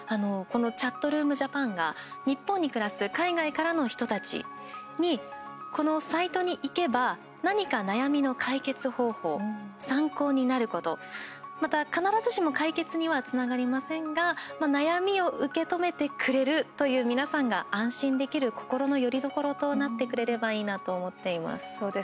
「ＣｈａｔｒｏｏｍＪａｐａｎ」が日本に暮らす海外からの人たちにこのサイトにいけば何か悩みの解決方法参考になること、また、必ずしも解決には、つながりませんが悩みを受け止めてくれるという皆さんが安心できる心のよりどころとなってくれればいいなと思っています。